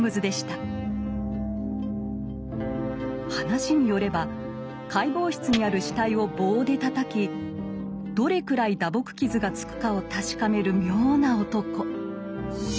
話によれば解剖室にある死体を棒でたたきどれくらい打撲傷がつくかを確かめる妙な男。